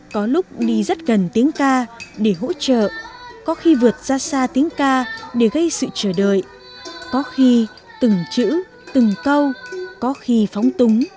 có lúc đi rất gần tiếng ca để hỗ trợ có khi vượt ra xa tiếng ca để gây sự chờ đợi có khi từng chữ từng câu có khi phóng túng